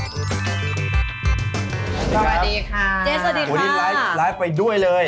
สวัสดีค่ะเจ๊สวัสดีค่ะโหที่ไลฟ์ไปด้วยเลย